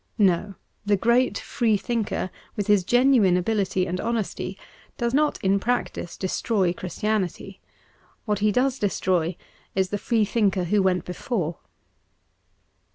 No ; the great Freethinker, with his genuine ability and honesty, does not in practice destroy Christianity. What he does destroy is the Freethinker who went before.